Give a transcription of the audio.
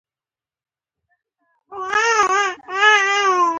د وینې لوړ فشار د زړه لپاره زیانمن دی.